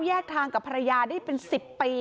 แยกทางกับภรรยาได้เป็น๑๐ปี